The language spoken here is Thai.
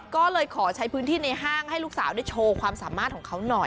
ก็เลยขอใช้พื้นที่ในห้างให้ลูกสาวได้โชว์ความสามารถของเขาหน่อย